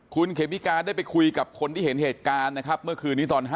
คุณเขมิกาได้ไปคุยกับคนที่เห็นเหตุการณ์นะครับเมื่อคืนนี้ตอน๕